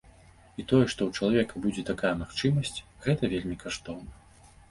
І тое, што ў чалавека будзе такая магчымасць, гэта вельмі каштоўна.